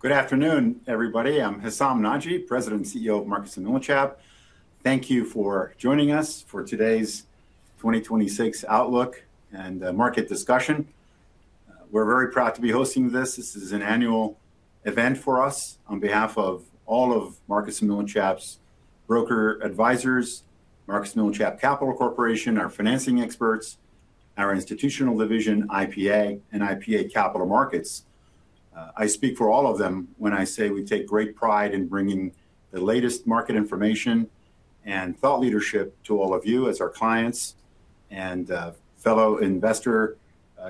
Good afternoon, everybody. I'm Hessam Nadji, President and CEO of Marcus & Millichap. Thank you for joining us for today's 2026 Outlook and Market Discussion. We're very proud to be hosting this. This is an annual event for us on behalf of all of Marcus & Millichap's broker advisors, Marcus & Millichap Capital Corporation, our financing experts, our institutional division, IPA, and IPA Capital Markets. I speak for all of them when I say we take great pride in bringing the latest market information and thought leadership to all of you as our clients and fellow investor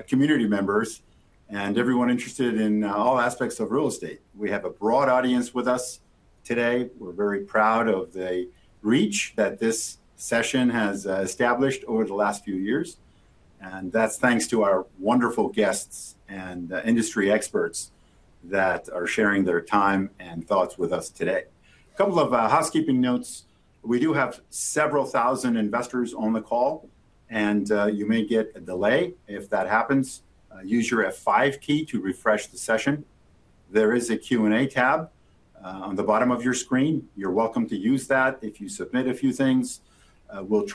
community members and everyone interested in all aspects of real estate. We have a broad audience with us today. We're very proud of the reach that this session has established over the last few years. That's thanks to our wonderful guests and industry experts that are sharing their time and thoughts with us today. A couple of housekeeping notes. We do have several thousand investors on the call, and you may get a delay if that happens. Use your F5 key to refresh the session. There is a Q&A tab on the bottom of your screen. You're welcome to use that if you submit a few things. We'll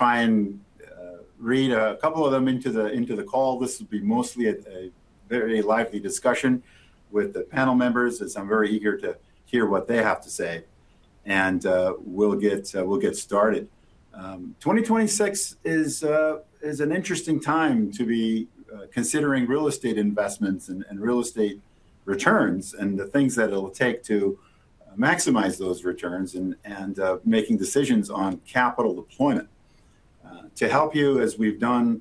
try and read a couple of them into the call. This will be mostly a very lively discussion with the panel members, as I'm very eager to hear what they have to say, and we'll get started. 2026 is an interesting time to be considering real estate investments and real estate returns and the things that it'll take to maximize those returns and making decisions on capital deployment. To help you, as we've done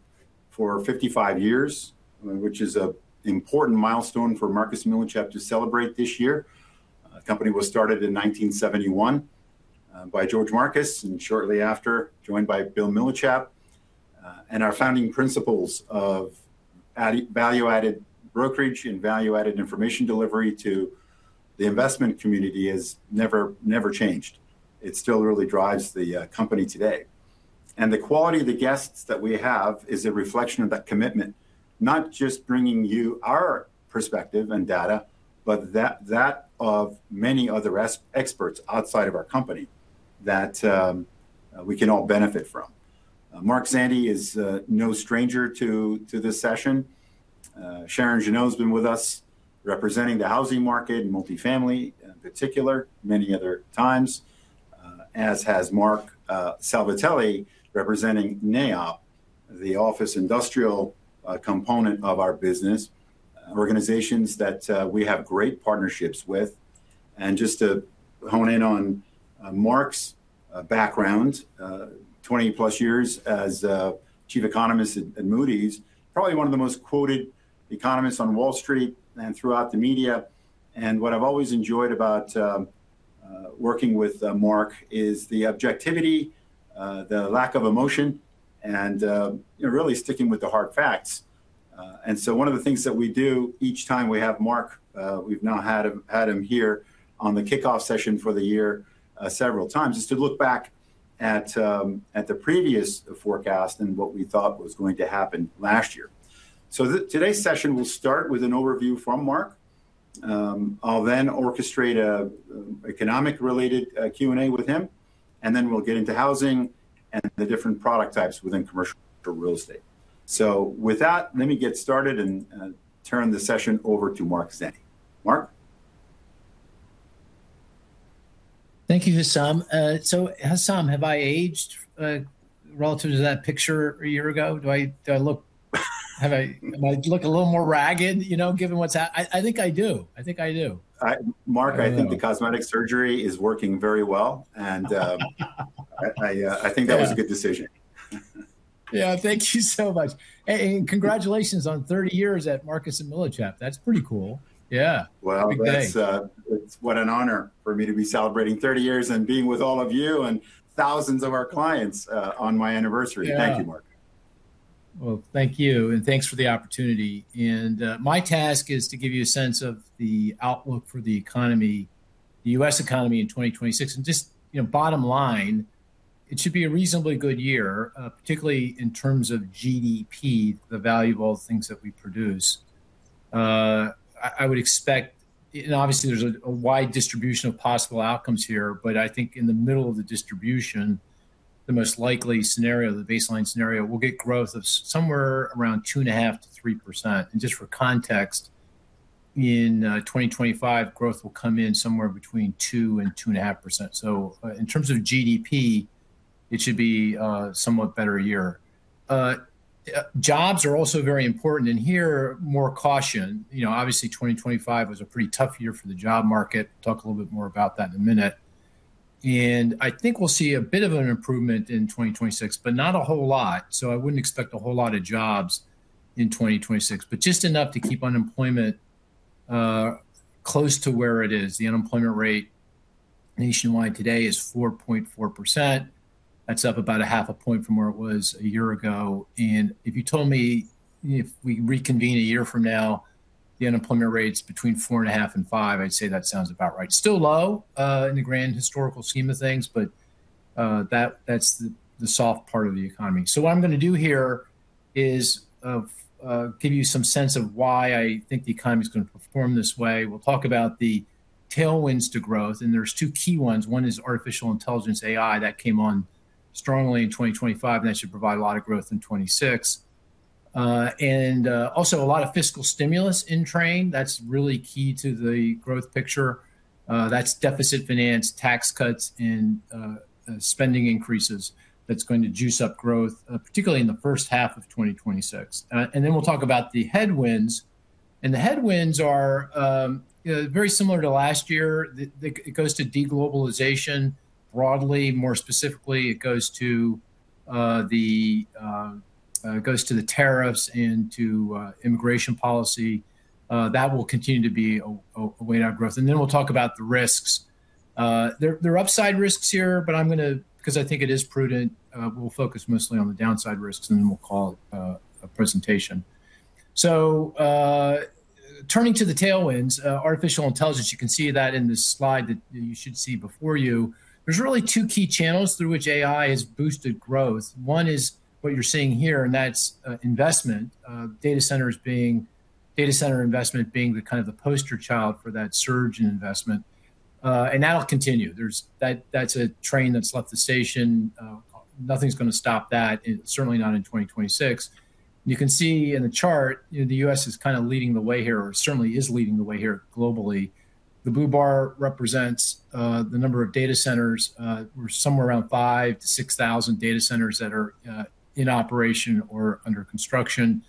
for 55 years, which is an important milestone for Marcus & Millichap to celebrate this year, the company was started in 1971 by George Marcus and shortly after joined by Bill Millichap. And our founding principles of value-added brokerage and value-added information delivery to the investment community have never changed. It still really drives the company today. And the quality of the guests that we have is a reflection of that commitment, not just bringing you our perspective and data, but that of many other experts outside of our company that we can all benefit from. Mark Zandi is no stranger to this session. Sharon Wilson Géno has been with us representing the housing market and multifamily in particular many other times, as has Marc Selvitelli representing NAIOP, the office industrial component of our business, organizations that we have great partnerships with. Just to hone in on Mark's background, 20+years as Chief Economist at Moody's, probably one of the most quoted economists on Wall Street and throughout the media. What I've always enjoyed about working with Mark is the objectivity, the lack of emotion, and really sticking with the hard facts. One of the things that we do each time we have Mark, we've now had him here on the kickoff session for the year several times, is to look back at the previous forecast and what we thought was going to happen last year. Today's session will start with an overview from Mark. I'll then orchestrate an economic-related Q&A with him, and then we'll get into housing and the different product types within commercial real estate. With that, let me get started and turn the session over to Mark Zandi. Mark. Thank you, Hessam. So Hessam, have I aged relative to that picture a year ago? Do I look a little more ragged, you know, given what's happened? I think I do. I think I do. Mark, I think the cosmetic surgery is working very well, and I think that was a good decision. Yeah, thank you so much. And congratulations on 30 years at Marcus & Millichap. That's pretty cool. Yeah. That's such an honor for me to be celebrating 30 years and being with all of you and thousands of our clients on my anniversary. Thank you, Mark. Thank you. Thanks for the opportunity. My task is to give you a sense of the outlook for the economy, the U.S. economy in 2026. Just bottom line, it should be a reasonably good year, particularly in terms of GDP, the value of all the things that we produce. I would expect, and obviously there's a wide distribution of possible outcomes here, but I think in the middle of the distribution, the most likely scenario, the baseline scenario, we'll get growth of somewhere around 2.5%-3%. Just for context, in 2025, growth will come in somewhere between 2% and 2.5%. In terms of GDP, it should be a somewhat better year. Jobs are also very important. Here, more caution. Obviously, 2025 was a pretty tough year for the job market. Talk a little bit more about that in a minute. I think we'll see a bit of an improvement in 2026, but not a whole lot. So I wouldn't expect a whole lot of jobs in 2026, but just enough to keep unemployment close to where it is. The unemployment rate nationwide today is 4.4%. That's up about a half a point from where it was a year ago. And if you told me we reconvene a year from now, the unemployment rate's between 4.5% and 5%, I'd say that sounds about right. Still low in the grand historical scheme of things, but that's the soft part of the economy. So what I'm going to do here is give you some sense of why I think the economy's going to perform this way. We'll talk about the tailwinds to growth. And there's two key ones. One is artificial intelligence, AI, that came on strongly in 2025, and that should provide a lot of growth in 2026. And also a lot of fiscal stimulus in train. That's really key to the growth picture. That's deficit finance, tax cuts, and spending increases that's going to juice up growth, particularly in the first half of 2026. And then we'll talk about the headwinds. And the headwinds are very similar to last year. It goes to deglobalization broadly. More specifically, it goes to the tariffs and to immigration policy. That will continue to be a way to have growth. And then we'll talk about the risks. There are upside risks here, but I'm going to, because I think it is prudent, we'll focus mostly on the downside risks, and then we'll call a presentation. So turning to the tailwinds, artificial intelligence, you can see that in this slide that you should see before you. There's really two key channels through which AI has boosted growth. One is what you're seeing here, and that's investment, data center investment being the kind of the poster child for that surge in investment. And that'll continue. That's a train that's left the station. Nothing's going to stop that, certainly not in 2026. You can see in the chart, the U.S. is kind of leading the way here, or certainly is leading the way here globally. The blue bar represents the number of data centers. We're somewhere around 5,000-6,000 data centers that are in operation or under construction.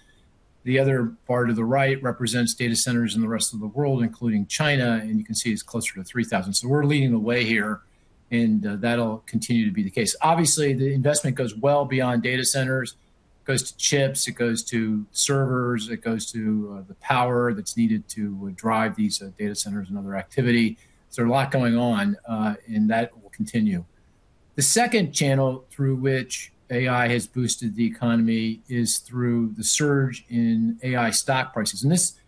The other bar to the right represents data centers in the rest of the world, including China. And you can see it's closer to 3,000. So we're leading the way here, and that'll continue to be the case. Obviously, the investment goes well beyond data centers. It goes to chips. It goes to servers. It goes to the power that's needed to drive these data centers and other activity. So there's a lot going on, and that will continue. The second channel through which AI has boosted the economy is through the surge in AI stock prices. And this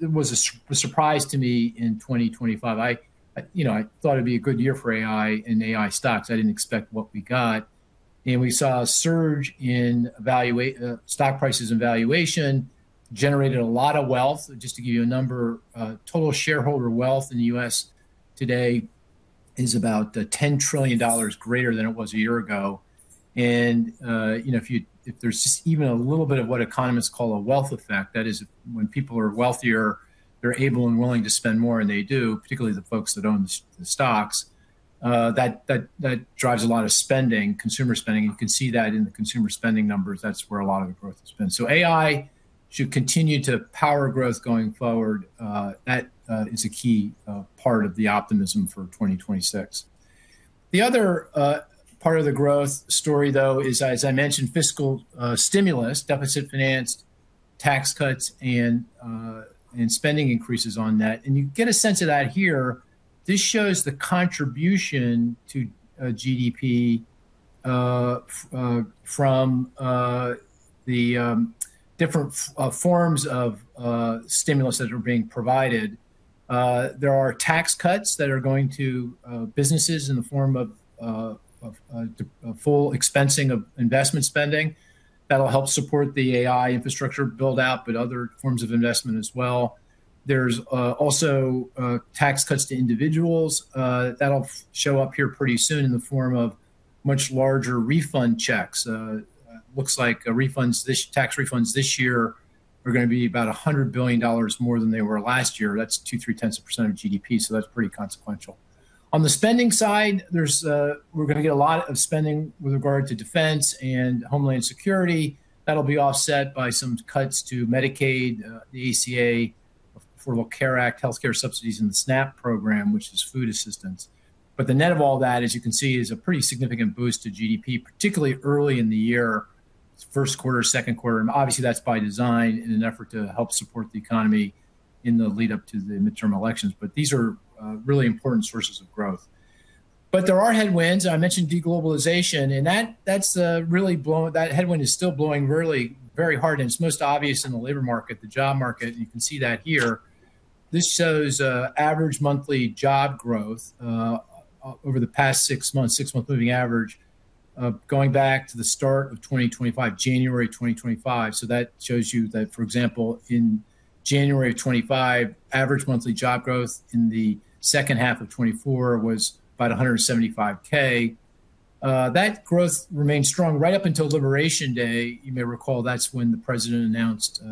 was a surprise to me in 2025. I thought it'd be a good year for AI and AI stocks. I didn't expect what we got. And we saw a surge in stock prices and valuation generated a lot of wealth. Just to give you a number, total shareholder wealth in the U.S. today is about $10 trillion greater than it was a year ago. And if there's just even a little bit of what economists call a wealth effect, that is when people are wealthier, they're able and willing to spend more, and they do, particularly the folks that own the stocks. That drives a lot of spending, consumer spending. You can see that in the consumer spending numbers. That's where a lot of the growth has been. So AI should continue to power growth going forward. That is a key part of the optimism for 2026. The other part of the growth story, though, is, as I mentioned, fiscal stimulus, deficit financed, tax cuts, and spending increases on that. And you get a sense of that here. This shows the contribution to GDP from the different forms of stimulus that are being provided. There are tax cuts that are going to businesses in the form of full expensing of investment spending. That'll help support the AI infrastructure build-out, but other forms of investment as well. There's also tax cuts to individuals. That'll show up here pretty soon in the form of much larger refund checks. Looks like tax refunds this year are going to be about $100 billion more than they were last year. That's 2%-3% of GDP. That's pretty consequential. On the spending side, we're going to get a lot of spending with regard to defense and homeland security. That'll be offset by some cuts to Medicaid, the ACA, Affordable Care Act, healthcare subsidies in the SNAP program, which is food assistance, but the net of all that, as you can see, is a pretty significant boost to GDP, particularly early in the year, first quarter, second quarter, and obviously, that's by design in an effort to help support the economy in the lead-up to the midterm elections. But these are really important sources of growth. But there are headwinds. I mentioned deglobalization, and that headwind is still blowing really very hard. And it's most obvious in the labor market, the job market. You can see that here. This shows average monthly job growth over the past six months, six-month moving average, going back to the start of 2025, January 2025. So that shows you that, for example, in January of 2025, average monthly job growth in the second half of 2024 was about 175,000. That growth remained strong right up until Liberation Day. You may recall that's when the president announced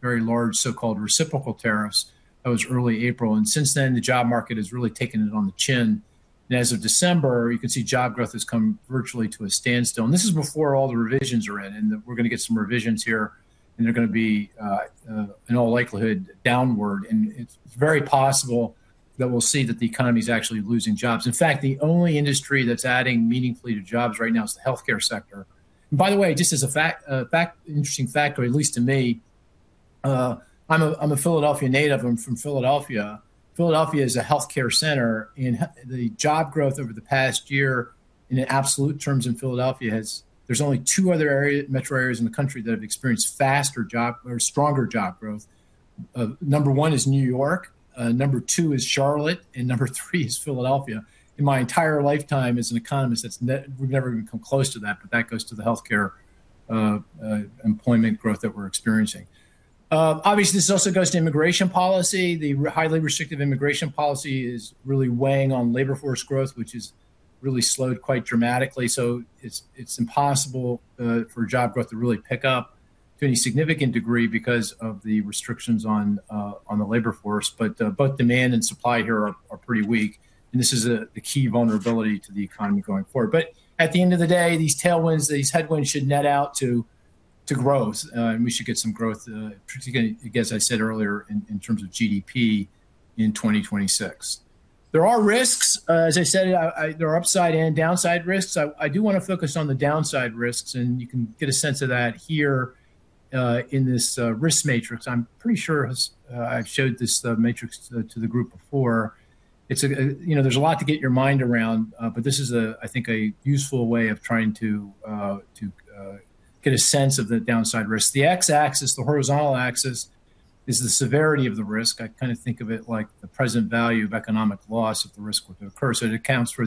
very large so-called reciprocal tariffs. That was early April. And since then, the job market has really taken it on the chin. And as of December, you can see job growth has come virtually to a standstill. And this is before all the revisions are in. We're going to get some revisions here, and they're going to be, in all likelihood, downward. It's very possible that we'll see that the economy is actually losing jobs. In fact, the only industry that's adding meaningfully to jobs right now is the healthcare sector. By the way, just as an interesting factor, at least to me, I'm a Philadelphia native. I'm from Philadelphia. Philadelphia is a healthcare center. The job growth over the past year in absolute terms in Philadelphia, there's only two other metro areas in the country that have experienced faster job or stronger job growth. Number one is New York. Number two is Charlotte. Number three is Philadelphia. In my entire lifetime as an economist, we've never even come close to that, but that goes to the healthcare employment growth that we're experiencing. Obviously, this also goes to immigration policy. The highly restrictive immigration policy is really weighing on labor force growth, which has really slowed quite dramatically, so it's impossible for job growth to really pick up to any significant degree because of the restrictions on the labor force, but both demand and supply here are pretty weak, and this is the key vulnerability to the economy going forward, but at the end of the day, these tailwinds, these headwinds should net out to growth, and we should get some growth, particularly, as I said earlier, in terms of GDP in 2026. There are risks. As I said, there are upside and downside risks. I do want to focus on the downside risks, and you can get a sense of that here in this risk matrix. I'm pretty sure I've showed this matrix to the group before. There's a lot to get your mind around, but this is, I think, a useful way of trying to get a sense of the downside risk. The X-axis, the horizontal axis, is the severity of the risk. I kind of think of it like the present value of economic loss if the risk were to occur. So it accounts for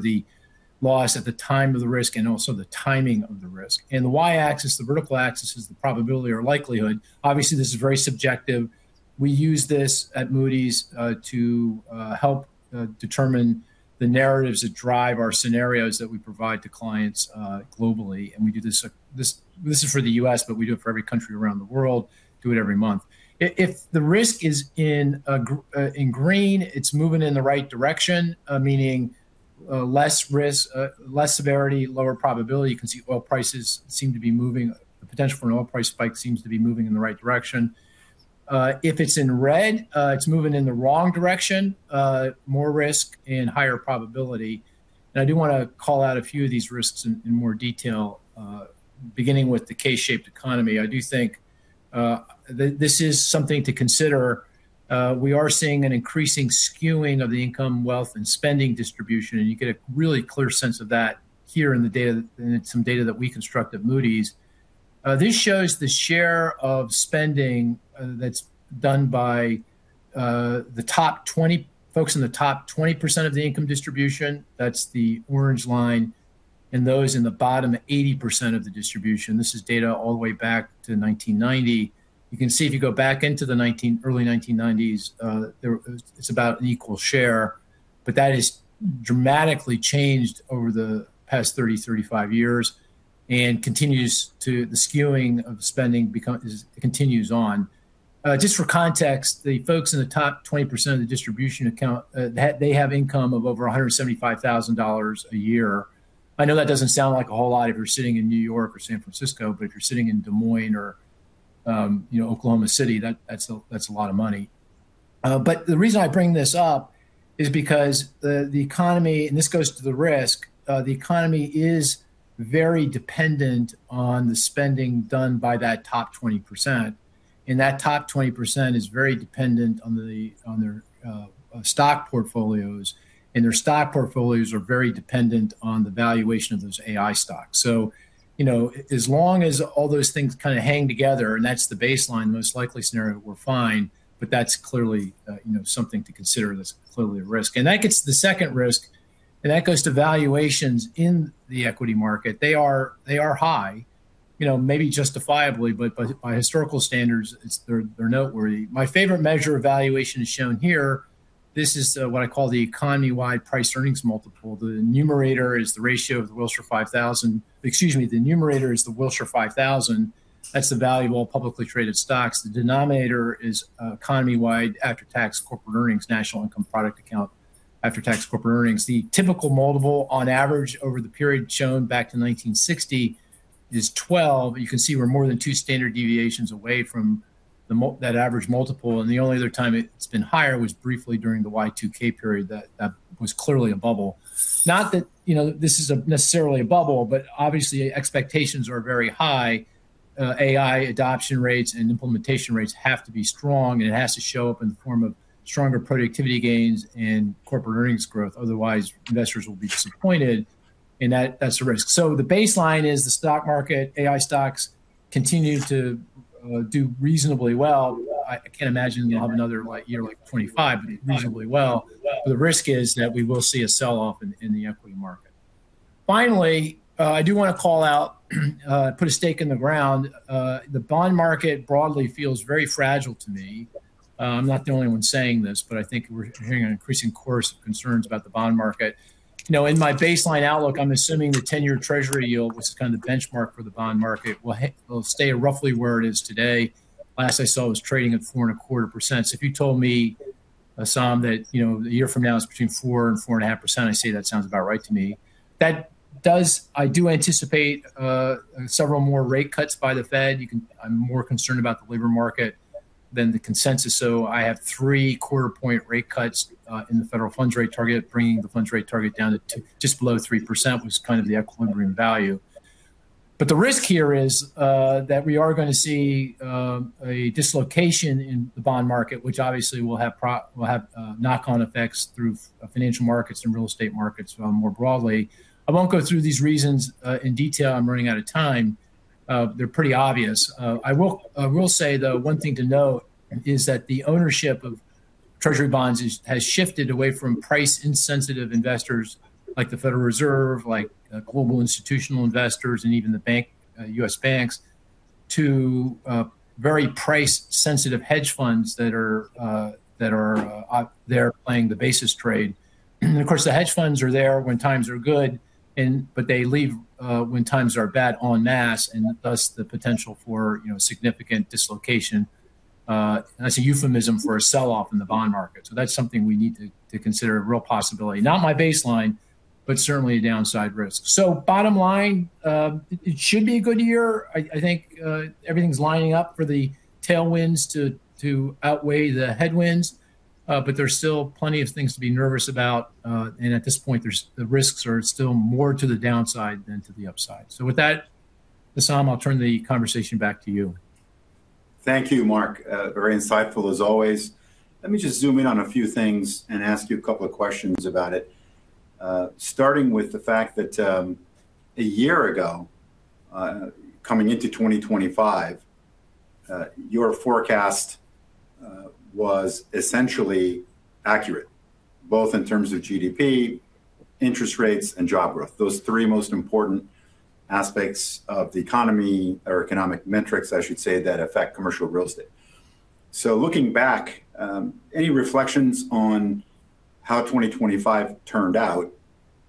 the loss at the time of the risk and also the timing of the risk. And the Y-axis, the vertical axis, is the probability or likelihood. Obviously, this is very subjective. We use this at Moody's to help determine the narratives that drive our scenarios that we provide to clients globally. And we do this for the U.S., but we do it for every country around the world, do it every month. If the risk is in green, it's moving in the right direction, meaning less severity, lower probability. You can see oil prices seem to be moving. The potential for an oil price spike seems to be moving in the right direction. If it's in red, it's moving in the wrong direction, more risk and higher probability, and I do want to call out a few of these risks in more detail, beginning with the K-shaped economy. I do think this is something to consider. We are seeing an increasing skewing of the income, wealth, and spending distribution, and you get a really clear sense of that here in the data and some data that we constructed at Moody's. This shows the share of spending that's done by the top 20 folks in the top 20% of the income distribution. That's the orange line, and those in the bottom 80% of the distribution. This is data all the way back to 1990. You can see if you go back into the early 1990s, it's about an equal share. But that has dramatically changed over the past 30, 35 years and the skewing of spending continues on. Just for context, the folks in the top 20% of the distribution account for, they have income of over $175,000 a year. I know that doesn't sound like a whole lot if you're sitting in New York or San Francisco, but if you're sitting in Des Moines or Oklahoma City, that's a lot of money. But the reason I bring this up is because the economy, and this goes to the risk, the economy is very dependent on the spending done by that top 20%. And that top 20% is very dependent on their stock portfolios. And their stock portfolios are very dependent on the valuation of those AI stocks. As long as all those things kind of hang together, and that's the baseline, most likely scenario, we're fine. But that's clearly something to consider. That's clearly a risk. And that gets to the second risk. And that goes to valuations in the equity market. They are high, maybe justifiably, but by historical standards, they're noteworthy. My favorite measure of valuation is shown here. This is what I call the economy-wide price-earnings multiple. The numerator is the ratio of the Wilshire 5000. Excuse me, the numerator is the Wilshire 5000. That's the value of all publicly traded stocks. The denominator is economy-wide after-tax corporate earnings, National Income and Product Accounts after-tax corporate earnings. The typical multiple on average over the period shown back to 1960 is 12. You can see we're more than two standard deviations away from that average multiple. The only other time it's been higher was briefly during the Y2K period. That was clearly a bubble. Not that this is necessarily a bubble, but obviously, expectations are very high. AI adoption rates and implementation rates have to be strong. And it has to show up in the form of stronger productivity gains and corporate earnings growth. Otherwise, investors will be disappointed. And that's a risk. So the baseline is the stock market, AI stocks continue to do reasonably well. I can't imagine we'll have another year like 2025, but reasonably well. But the risk is that we will see a sell-off in the equity market. Finally, I do want to call out, put a stake in the ground. The bond market broadly feels very fragile to me. I'm not the only one saying this, but I think we're hearing an increasing chorus of concerns about the bond market. In my baseline outlook, I'm assuming the 10-year Treasury yield, which is kind of the benchmark for the bond market, will stay roughly where it is today. Last I saw, it was trading at 4.25%. So if you told me, Hessam, that a year from now it's between 4 and 4.5%, I'd say that sounds about right to me. I do anticipate several more rate cuts by the Fed. I'm more concerned about the labor market than the consensus. So I have three quarter-point rate cuts in the federal funds rate target, bringing the funds rate target down to just below 3%, which is kind of the equilibrium value. But the risk here is that we are going to see a dislocation in the bond market, which obviously will have knock-on effects through financial markets and real estate markets more broadly. I won't go through these reasons in detail. I'm running out of time. They're pretty obvious. I will say, though, one thing to note is that the ownership of Treasury bonds has shifted away from price-sensitive investors like the Federal Reserve, like global institutional investors, and even the U.S. banks to very price-sensitive hedge funds that are there playing the basis trade. And of course, the hedge funds are there when times are good, but they leave when times are bad en masse, and thus the potential for significant dislocation. That's a euphemism for a sell-off in the bond market. So that's something we need to consider a real possibility. Not my baseline, but certainly a downside risk. So bottom line, it should be a good year. I think everything's lining up for the tailwinds to outweigh the headwinds. But there's still plenty of things to be nervous about. And at this point, the risks are still more to the downside than to the upside. So with that, Hessam, I'll turn the conversation back to you. Thank you, Mark. Very insightful as always. Let me just zoom in on a few things and ask you a couple of questions about it. Starting with the fact that a year ago, coming into 2025, your forecast was essentially accurate, both in terms of GDP, interest rates, and job growth, those three most important aspects of the economy or economic metrics, I should say, that affect commercial real estate. So looking back, any reflections on how 2025 turned out?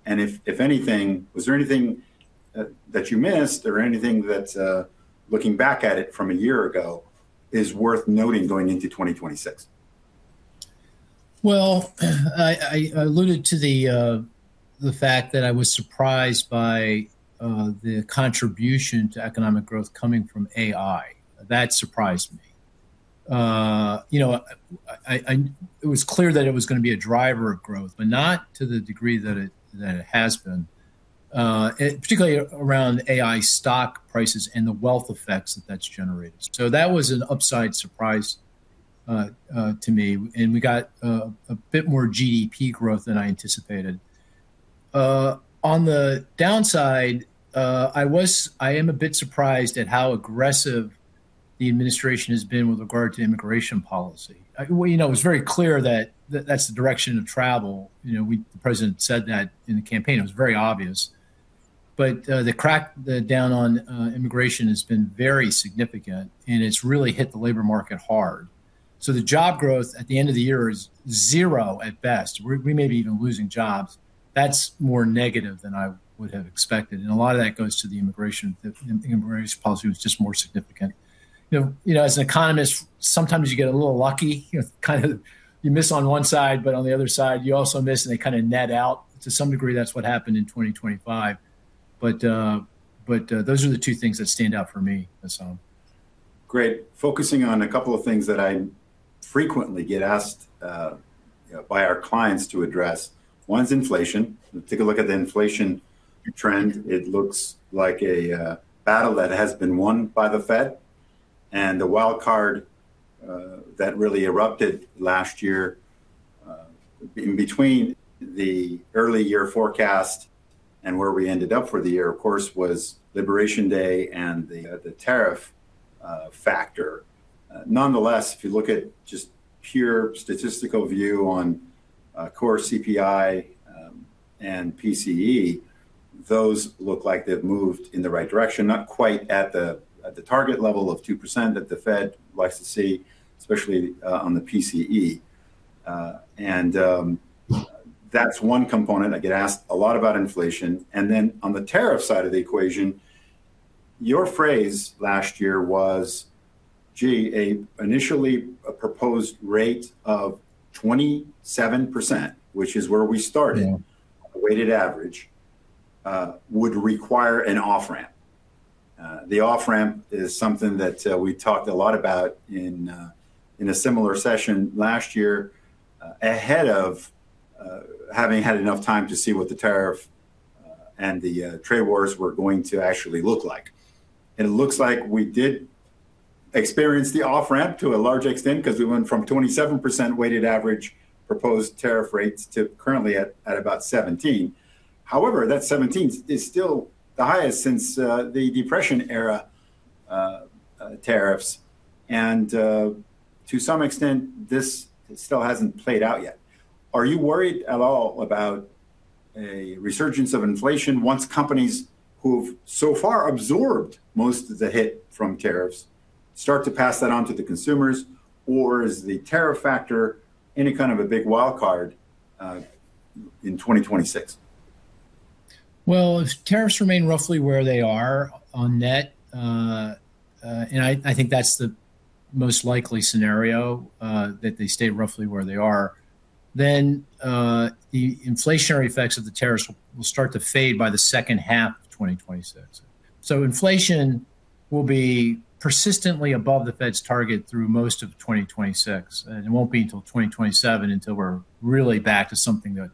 If anything, was there anything that you missed or anything that, looking back at it from a year ago, is worth noting going into 2026? I alluded to the fact that I was surprised by the contribution to economic growth coming from AI. That surprised me. It was clear that it was going to be a driver of growth, but not to the degree that it has been, particularly around AI stock prices and the wealth effects that that's generated. So that was an upside surprise to me. And we got a bit more GDP growth than I anticipated. On the downside, I am a bit surprised at how aggressive the administration has been with regard to immigration policy. It was very clear that that's the direction of travel. The president said that in the campaign. It was very obvious. But the crackdown on immigration has been very significant, and it's really hit the labor market hard. So the job growth at the end of the year is zero at best. We may be even losing jobs. That's more negative than I would have expected. And a lot of that goes to the immigration policy was just more significant. As an economist, sometimes you get a little lucky. Kind of you miss on one side, but on the other side, you also miss, and they kind of net out. To some degree, that's what happened in 2025. But those are the two things that stand out for me, Hessam. Great. Focusing on a couple of things that I frequently get asked by our clients to address one's inflation. Take a look at the inflation trend. It looks like a battle that has been won by the Fed. The wildcard that really erupted last year in between the early year forecast and where we ended up for the year, of course, was Liberation Day and the tariff factor. Nonetheless, if you look at just pure statistical view on core CPI and PCE, those look like they've moved in the right direction, not quite at the target level of 2% that the Fed likes to see, especially on the PCE. That's one component. I get asked a lot about inflation. And then on the tariff side of the equation, your phrase last year was, "Gee, an initially proposed rate of 27%, which is where we started, a weighted average, would require an off-ramp." The off-ramp is something that we talked a lot about in a similar session last year ahead of having had enough time to see what the tariff and the trade wars were going to actually look like. And it looks like we did experience the off-ramp to a large extent because we went from 27% weighted average proposed tariff rates to currently at about 17%. However, that 17% is still the highest since the Depression-era tariffs. And to some extent, this still hasn't played out yet. Are you worried at all about a resurgence of inflation once companies who have so far absorbed most of the hit from tariffs start to pass that on to the consumers? Or is the tariff factor any kind of a big wildcard in 2026? Well, if tariffs remain roughly where they are on net, and I think that's the most likely scenario, that they stay roughly where they are, then the inflationary effects of the tariffs will start to fade by the second half of 2026. So inflation will be persistently above the Fed's target through most of 2026. And it won't be until 2027 until we're really back to something that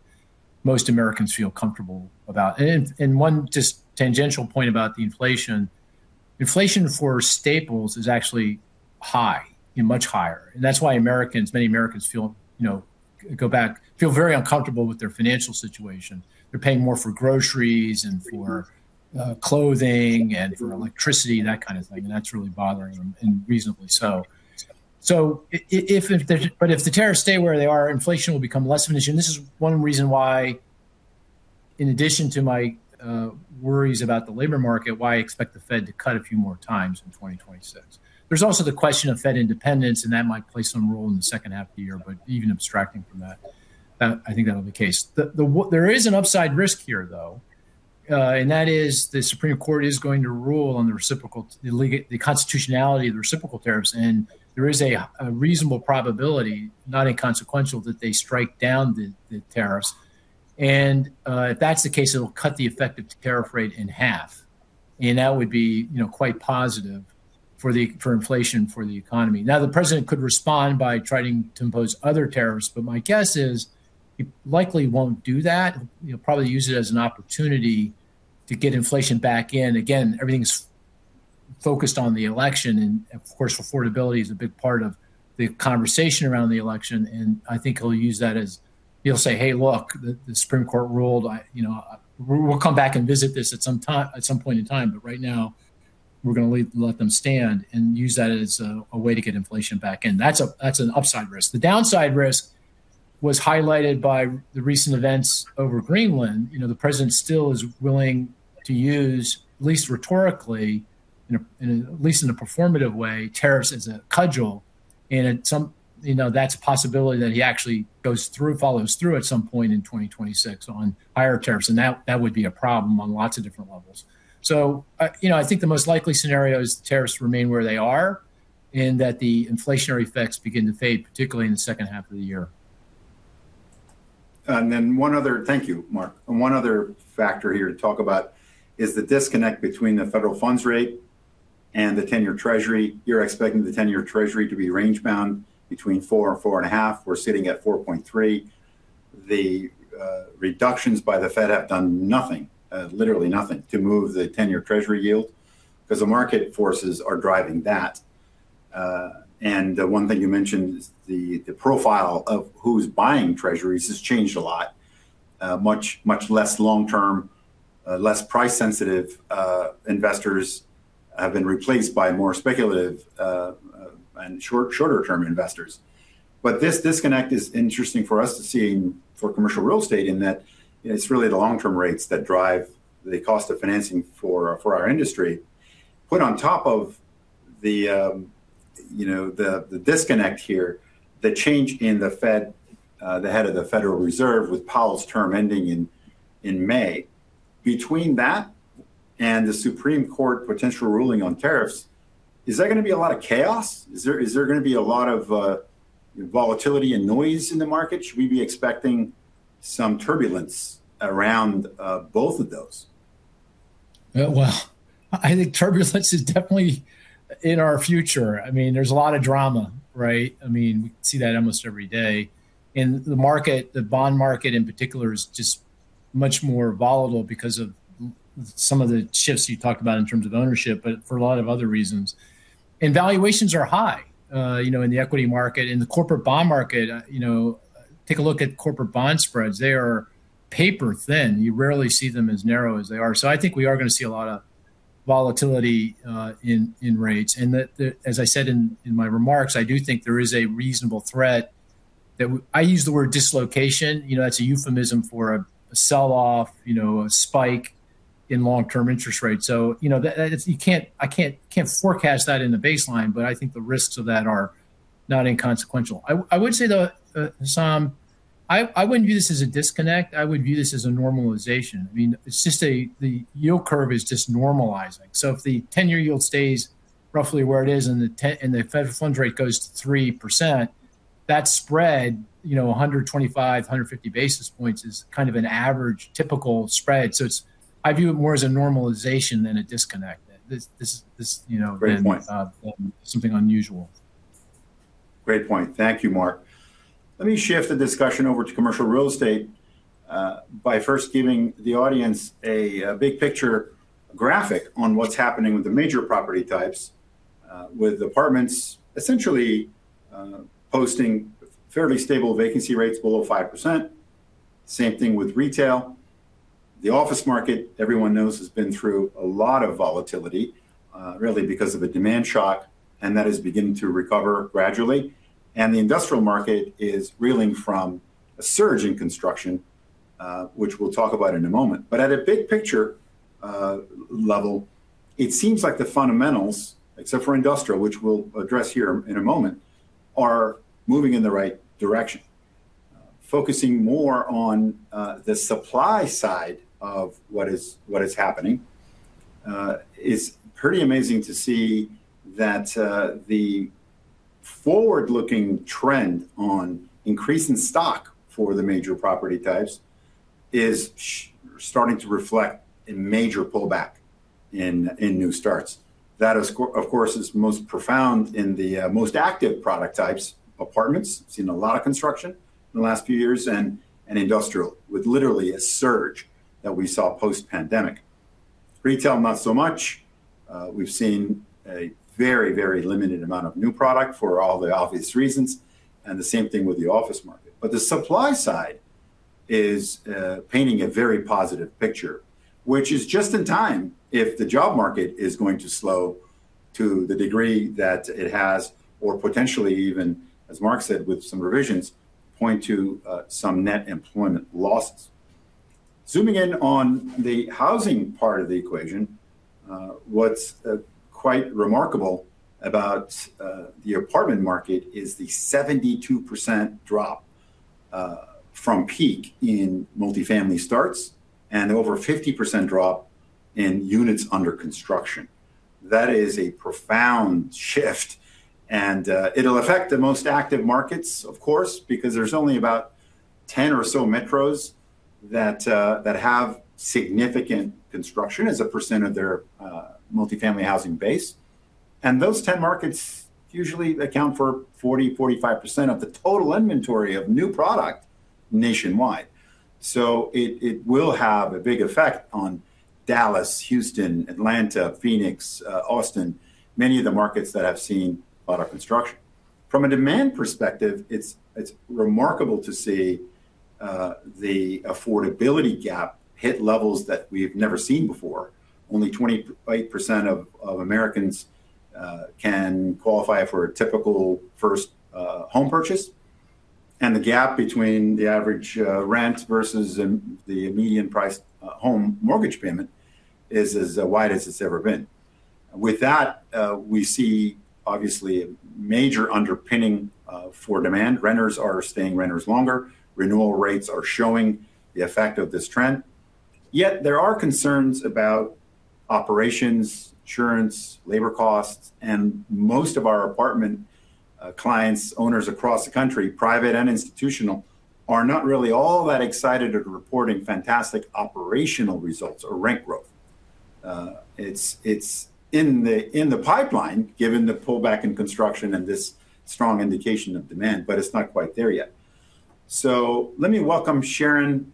most Americans feel comfortable about. And one just tangential point about the inflation, inflation for staples is actually high and much higher. And that's why many Americans feel very uncomfortable with their financial situation. They're paying more for groceries and for clothing and for electricity, that kind of thing. And that's really bothering them, and reasonably so. But if the tariffs stay where they are, inflation will become less of an issue. And this is one reason why, in addition to my worries about the labor market, why I expect the Fed to cut a few more times in 2026. There's also the question of Fed independence, and that might play some role in the second half of the year. But even abstracting from that, I think that'll be the case. There is an upside risk here, though. And that is the Supreme Court is going to rule on the constitutionality of the reciprocal tariffs. And there is a reasonable probability, not inconsequential, that they strike down the tariffs. And if that's the case, it'll cut the effective tariff rate in half. That would be quite positive for inflation, for the economy. Now, the president could respond by trying to impose other tariffs. My guess is he likely won't do that. He'll probably use it as an opportunity to get inflation back in. Again, everything's focused on the election. Of course, affordability is a big part of the conversation around the election. I think he'll use that as he'll say, "Hey, look, the Supreme Court ruled. We'll come back and visit this at some point in time. But right now, we're going to let them stand and use that as a way to get inflation back in." That's an upside risk. The downside risk was highlighted by the recent events over Greenland. The president still is willing to use, at least rhetorically, at least in a performative way, tariffs as a cudgel. That's a possibility that he actually goes through, follows through at some point in 2026 on higher tariffs. That would be a problem on lots of different levels. I think the most likely scenario is tariffs remain where they are and that the inflationary effects begin to fade, particularly in the second half of the year. Then one other thank you, Mark. One other factor here to talk about is the disconnect between the federal funds rate and the 10-year Treasury. You're expecting the 10-year Treasury to be range-bound between 4% and 4.5%. We're sitting at 4.3%. The reductions by the Fed have done nothing, literally nothing, to move the 10-year Treasury yield because the market forces are driving that. One thing you mentioned is the profile of who's buying Treasuries has changed a lot. Much less long-term, less price-sensitive investors have been replaced by more speculative and shorter-term investors. But this disconnect is interesting for us to see for commercial real estate in that it's really the long-term rates that drive the cost of financing for our industry. Put on top of the disconnect here, the change in the Fed, the head of the Federal Reserve, with Powell's term ending in May, between that and the Supreme Court potential ruling on tariffs, is there going to be a lot of chaos? Is there going to be a lot of volatility and noise in the market? Should we be expecting some turbulence around both of those? Well, I think turbulence is definitely in our future. I mean, there's a lot of drama, right? I mean, we see that almost every day. The market, the bond market in particular, is just much more volatile because of some of the shifts you talked about in terms of ownership, but for a lot of other reasons. Valuations are high in the equity market. In the corporate bond market, take a look at corporate bond spreads. They are paper thin. You rarely see them as narrow as they are. I think we are going to see a lot of volatility in rates. As I said in my remarks, I do think there is a reasonable threat that I use the word dislocation. That's a euphemism for a sell-off, a spike in long-term interest rates. I can't forecast that in the baseline, but I think the risks of that are not inconsequential. I would say, though, Hessam, I wouldn't view this as a disconnect. I would view this as a normalization. I mean, it's just the yield curve is just normalizing. So if the 10-year yield stays roughly where it is and the federal funds rate goes to 3%, that spread, 125-150 basis points, is kind of an average typical spread. So I view it more as a normalization than a disconnect. Great point. Something unusual. Great point. Thank you, Mark. Let me shift the discussion over to commercial real estate by first giving the audience a big picture graphic on what's happening with the major property types, with apartments essentially posting fairly stable vacancy rates below 5%. Same thing with retail. The office market, everyone knows, has been through a lot of volatility, really, because of a demand shock, and that is beginning to recover gradually. And the industrial market is reeling from a surge in construction, which we'll talk about in a moment. But at a big picture level, it seems like the fundamentals, except for industrial, which we'll address here in a moment, are moving in the right direction. Focusing more on the supply side of what is happening, it's pretty amazing to see that the forward-looking trend on increase in stock for the major property types is starting to reflect a major pullback in new starts. That, of course, is most profound in the most active product types, apartments. We've seen a lot of construction in the last few years and industrial with literally a surge that we saw post-pandemic. Retail, not so much. We've seen a very, very limited amount of new product for all the obvious reasons. And the same thing with the office market. But the supply side is painting a very positive picture, which is just in time if the job market is going to slow to the degree that it has or potentially, even, as Mark said, with some revisions, point to some net employment losses. Zooming in on the housing part of the equation, what's quite remarkable about the apartment market is the 72% drop from peak in multifamily starts and over 50% drop in units under construction. That is a profound shift. And it'll affect the most active markets, of course, because there's only about 10 or so metros that have significant construction as a percent of their multifamily housing base. And those 10 markets usually account for 40%-45% of the total inventory of new product nationwide. So it will have a big effect on Dallas, Houston, Atlanta, Phoenix, Austin, many of the markets that have seen a lot of construction. From a demand perspective, it's remarkable to see the affordability gap hit levels that we've never seen before. Only 28% of Americans can qualify for a typical first home purchase. And the gap between the average rent versus the median price home mortgage payment is as wide as it's ever been. With that, we see, obviously, a major underpinning for demand. Renters are staying renters longer. Renewal rates are showing the effect of this trend. Yet there are concerns about operations, insurance, labor costs. And most of our apartment clients, owners across the country, private and institutional, are not really all that excited at reporting fantastic operational results or rent growth. It's in the pipeline, given the pullback in construction and this strong indication of demand, but it's not quite there yet. So let me welcome Sharon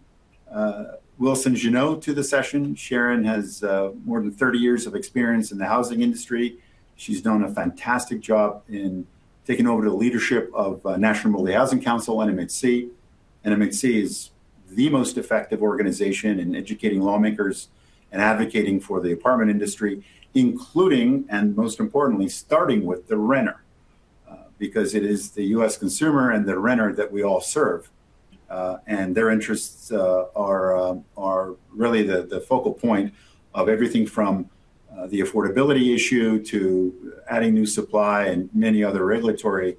Wilson Géno to the session. Sharon has more than 30 years of experience in the housing industry. She's done a fantastic job in taking over the leadership of National Multifamily Housing Council (NMHC). NMHC is the most effective organization in educating lawmakers and advocating for the apartment industry, including, and most importantly, starting with the renter, because it is the U.S. consumer and the renter that we all serve. And their interests are really the focal point of everything from the affordability issue to adding new supply and many other regulatory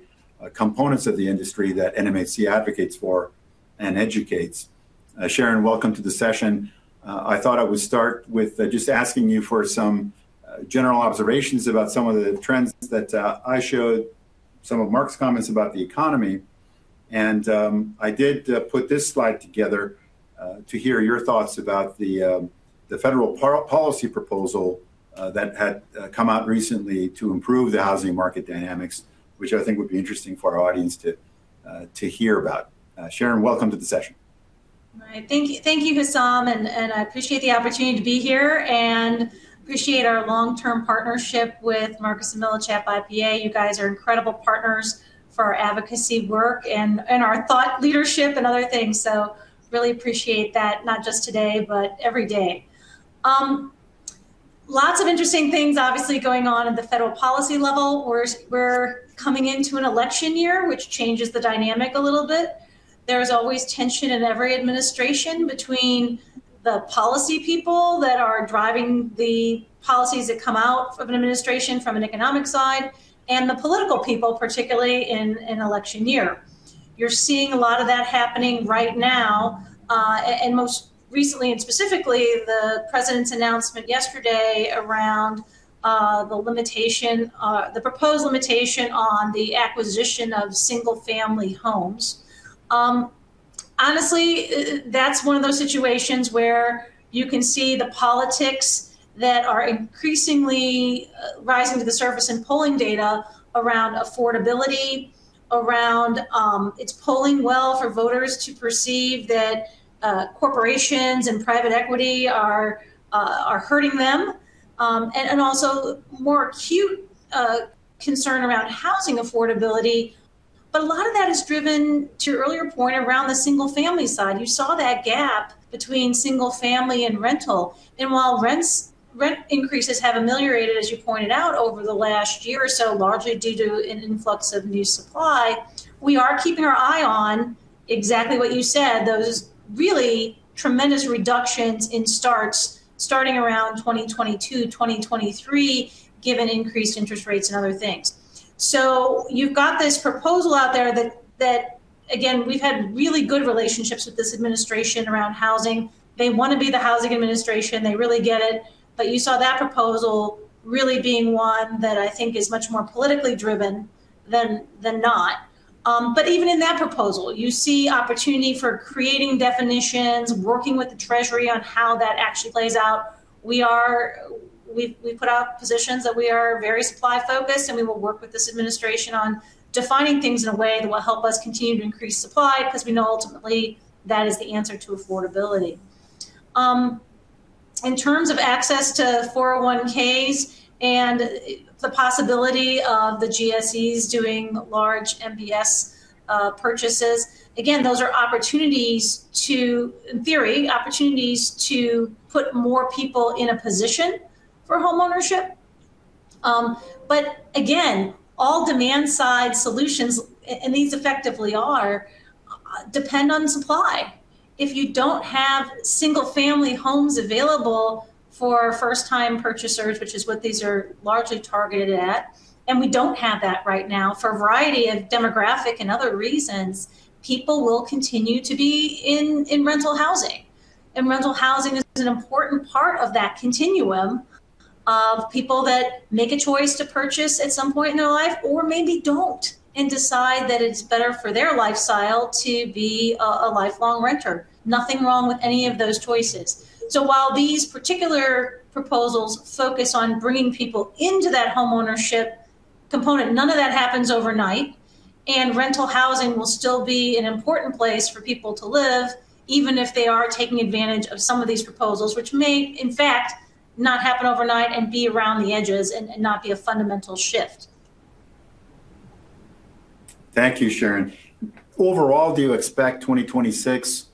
components of the industry that NMHC advocates for and educates. Sharon, welcome to the session. I thought I would start with just asking you for some general observations about some of the trends that I showed, some of Mark's comments about the economy, and I did put this slide together to hear your thoughts about the federal policy proposal that had come out recently to improve the housing market dynamics, which I think would be interesting for our audience to hear about. Sharon, welcome to the session. Thank you, Hessam, and I appreciate the opportunity to be here and appreciate our long-term partnership with Marcus & Millichap IPA. You guys are incredible partners for our advocacy work and our thought leadership and other things, so really appreciate that, not just today, but every day. Lots of interesting things, obviously, going on at the federal policy level. We're coming into an election year, which changes the dynamic a little bit. There's always tension in every administration between the policy people that are driving the policies that come out of an administration from an economic side and the political people, particularly in an election year. You're seeing a lot of that happening right now, and most recently, and specifically, the president's announcement yesterday around the proposed limitation on the acquisition of single-family homes. Honestly, that's one of those situations where you can see the politics that are increasingly rising to the surface in polling data around affordability, around it's polling well for voters to perceive that corporations and private equity are hurting them, and also, more acute concern around housing affordability, but a lot of that is driven, to your earlier point, around the single-family side. You saw that gap between single-family and rental. And while rent increases have ameliorated, as you pointed out, over the last year or so, largely due to an influx of new supply, we are keeping our eye on exactly what you said, those really tremendous reductions in starts starting around 2022, 2023, given increased interest rates and other things. So you've got this proposal out there that, again, we've had really good relationships with this administration around housing. They want to be the housing administration. They really get it. But you saw that proposal really being one that I think is much more politically driven than not. But even in that proposal, you see opportunity for creating definitions, working with the Treasury on how that actually plays out. We put out positions that we are very supply-focused, and we will work with this administration on defining things in a way that will help us continue to increase supply because we know ultimately that is the answer to affordability. In terms of access to 401(k)s and the possibility of the GSEs doing large MBS purchases, again, those are opportunities to, in theory, opportunities to put more people in a position for homeownership. But again, all demand-side solutions, and these effectively are, depend on supply. If you don't have single-family homes available for first-time purchasers, which is what these are largely targeted at, and we don't have that right now for a variety of demographic and other reasons, people will continue to be in rental housing. And rental housing is an important part of that continuum of people that make a choice to purchase at some point in their life or maybe don't and decide that it's better for their lifestyle to be a lifelong renter. Nothing wrong with any of those choices. So while these particular proposals focus on bringing people into that homeownership component, none of that happens overnight. And rental housing will still be an important place for people to live, even if they are taking advantage of some of these proposals, which may, in fact, not happen overnight and be around the edges and not be a fundamental shift. Thank you, Sharon. Overall, do you expect 2026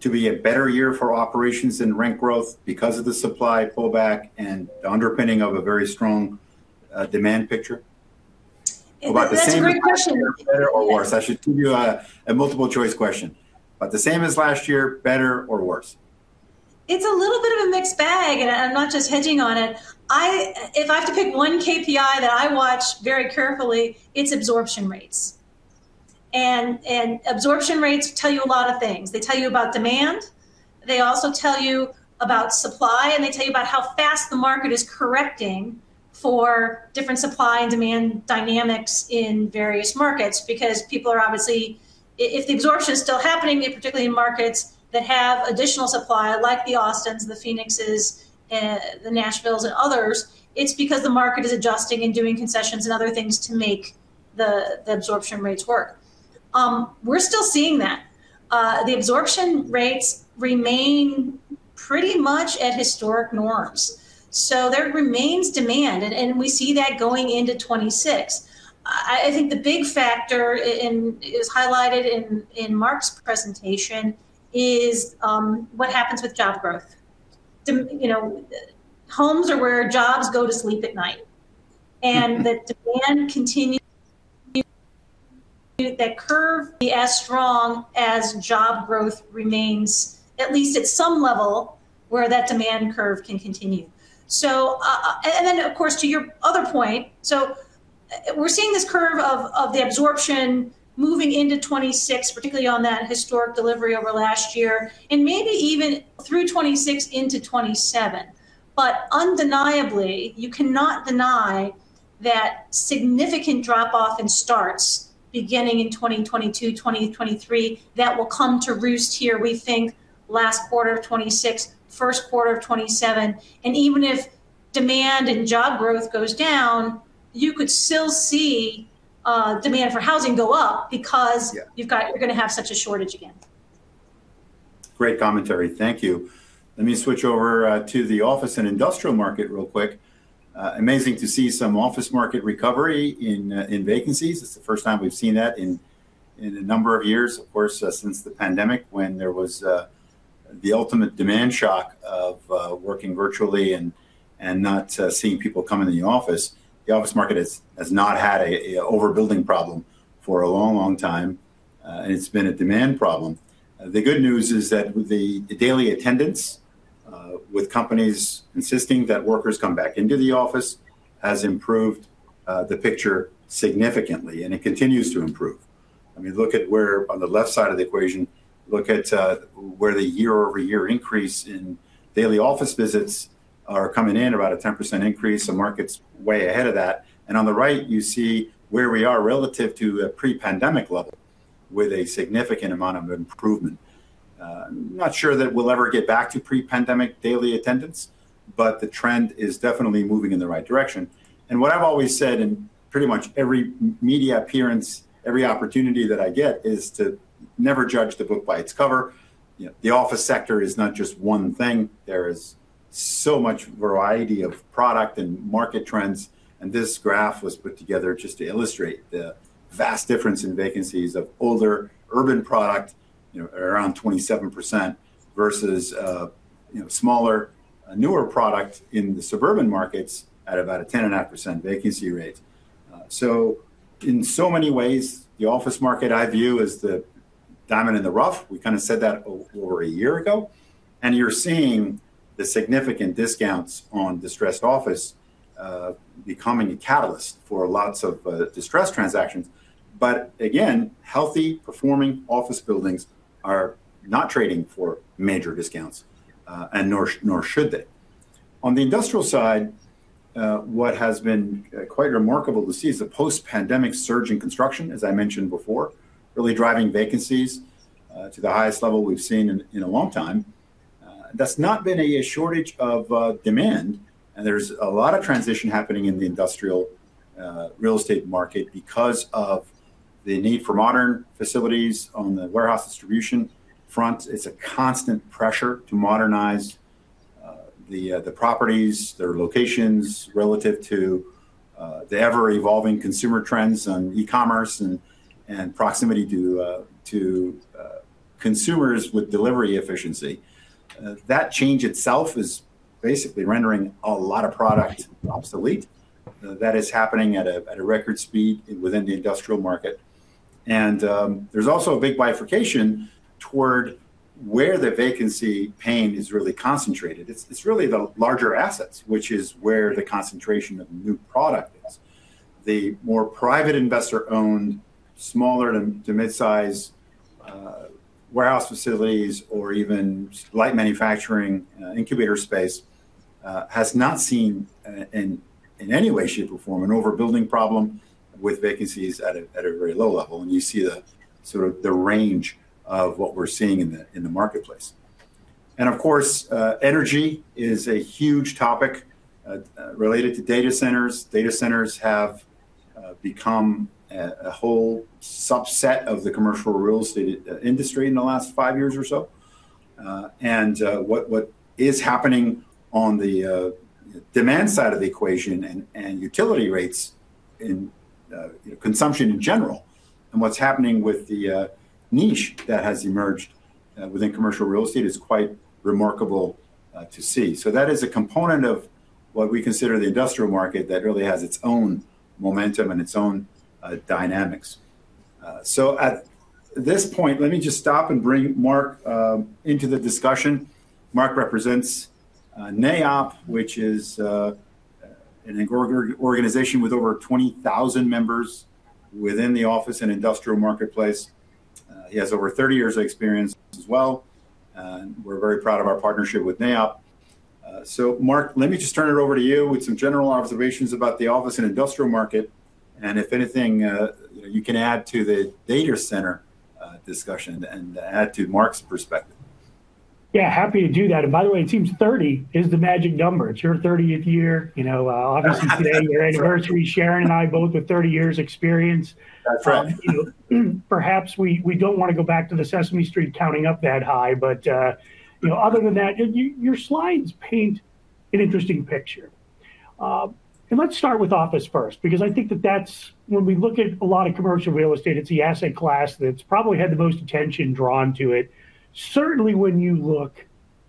to be a better year for operations and rent growth because of the supply pullback and the underpinning of a very strong demand picture? About the same as last year or worse? I should give you a multiple-choice question. About the same as last year, better or worse? It's a little bit of a mixed bag, and I'm not just hedging on it. If I have to pick one KPI that I watch very carefully, it's absorption rates. And absorption rates tell you a lot of things. They tell you about demand. They also tell you about supply, and they tell you about how fast the market is correcting for different supply and demand dynamics in various markets because people are obviously, if the absorption is still happening, particularly in markets that have additional supply like the Austins, the Phoenixes, the Nashville, and others, it's because the market is adjusting and doing concessions and other things to make the absorption rates work. We're still seeing that. The absorption rates remain pretty much at historic norms. So there remains demand, and we see that going into 2026. I think the big factor is highlighted in Mark's presentation is what happens with job growth. Homes are where jobs go to sleep at night. And the demand continues that curve to be as strong as job growth remains, at least at some level, where that demand curve can continue. And then, of course, to your other point, so we're seeing this curve of the absorption moving into 2026, particularly on that historic delivery over last year and maybe even through 2026 into 2027. But undeniably, you cannot deny that significant drop-off in starts beginning in 2022, 2023 that will come to roost here, we think, last quarter of 2026, first quarter of 2027. And even if demand and job growth goes down, you could still see demand for housing go up because you're going to have such a shortage again. Great commentary. Thank you. Let me switch over to the office and industrial market real quick. Amazing to see some office market recovery in vacancies. It's the first time we've seen that in a number of years, of course, since the pandemic when there was the ultimate demand shock of working virtually and not seeing people come into the office. The office market has not had an overbuilding problem for a long, long time, and it's been a demand problem. The good news is that the daily attendance with companies insisting that workers come back into the office has improved the picture significantly, and it continues to improve. I mean, look at where on the left side of the equation, look at where the year-over-year increase in daily office visits are coming in, about a 10% increase. The market's way ahead of that. And on the right, you see where we are relative to a pre-pandemic level with a significant amount of improvement. I'm not sure that we'll ever get back to pre-pandemic daily attendance, but the trend is definitely moving in the right direction. And what I've always said in pretty much every media appearance, every opportunity that I get is to never judge the book by its cover. The office sector is not just one thing. There is so much variety of product and market trends. This graph was put together just to illustrate the vast difference in vacancies of older urban product, around 27%, versus smaller, newer product in the suburban markets at about a 10.5% vacancy rate. In so many ways, the office market, I view, is the diamond in the rough. We kind of said that over a year ago. You're seeing the significant discounts on distressed office becoming a catalyst for lots of distressed transactions. Again, healthy, performing office buildings are not trading for major discounts, and nor should they. On the industrial side, what has been quite remarkable to see is the post-pandemic surge in construction, as I mentioned before, really driving vacancies to the highest level we've seen in a long time. That's not been a shortage of demand. And there's a lot of transition happening in the industrial real estate market because of the need for modern facilities on the warehouse distribution front. It's a constant pressure to modernize the properties, their locations relative to the ever-evolving consumer trends on e-commerce and proximity to consumers with delivery efficiency. That change itself is basically rendering a lot of product obsolete. That is happening at a record speed within the industrial market. And there's also a big bifurcation toward where the vacancy pain is really concentrated. It's really the larger assets, which is where the concentration of new product is. The more private investor-owned, smaller to mid-size warehouse facilities or even light manufacturing incubator space has not seen in any way, shape, or form an overbuilding problem with vacancies at a very low level. And you see the sort of range of what we're seeing in the marketplace. Of course, energy is a huge topic related to data centers. Data centers have become a whole subset of the commercial real estate industry in the last five years or so. What is happening on the demand side of the equation and utility rates in consumption in general and what's happening with the niche that has emerged within commercial real estate is quite remarkable to see. That is a component of what we consider the industrial market that really has its own momentum and its own dynamics. At this point, let me just stop and bring Marc into the discussion. Marc represents NAIOP, which is an organization with over 20,000 members within the office and industrial marketplace. He has over 30 years of experience as well. We're very proud of our partnership with NAIOP. So, Marc, let me just turn it over to you with some general observations about the office and industrial market. And if anything, you can add to the data center discussion and add to Mark's perspective. Yeah, happy to do that. And by the way, it seems 30 is the magic number. It's your 30th year. Obviously, today your anniversary. Sharon and I both with 30 years' experience. Perhaps we don't want to go back to the Sesame Street counting up that high. But other than that, your slides paint an interesting picture. And let's start with office first because I think that that's when we look at a lot of commercial real estate, it's the asset class that's probably had the most attention drawn to it. Certainly when you look